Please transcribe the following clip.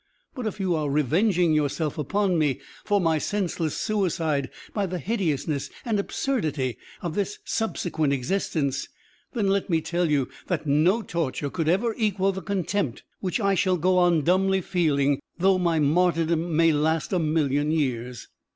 But if you are revenging yourself upon me for my senseless suicide by the hideousness and absurdity of this subsequent existence, then let me tell you that no torture could ever equal the contempt which I shall go on dumbly feeling, though my martyrdom may last a million years!"